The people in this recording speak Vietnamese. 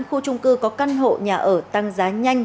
khu trung cư có căn hộ nhà ở tăng giá nhanh